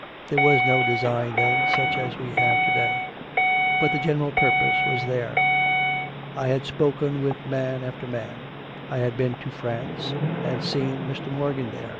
There was no design then, such as we have to day; but the general purpese was there. I had spoken with man after man; I had been to France, and seen Mr. Mor gan there.